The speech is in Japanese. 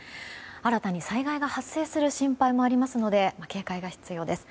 新たに災害が発生する心配がありますので警戒が必要です。